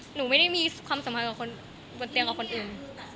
หนูไม่ได้มีความสัมพันธ์กับคนบนเตียงกับคนอื่น